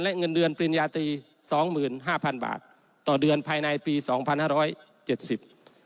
และเงินเดือนปริญญาตรีสองหมื่นห้าพันบาทต่อเดือนภายในปีสองพันห้าร้อยเจ็ดสิบ